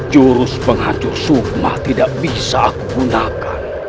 jurus penghancur sukmah tidak bisa aku gunakan